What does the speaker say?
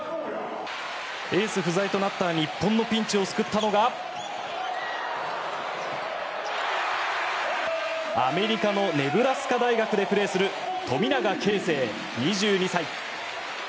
エース不在となった日本のピンチを救ったのがアメリカのネブラスカ大学でプレーする富永啓生、２２歳。